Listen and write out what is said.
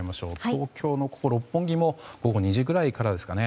東京の、ここ六本木も午後２時くらいですかね。